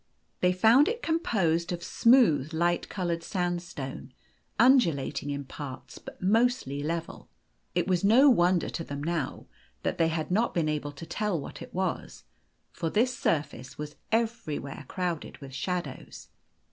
They found it composed of smooth, light coloured sandstone, undulating in parts, but mostly level. It was no won der to them now that they had not been able to tell what it was, for this surface was everywhere crowded with shadows.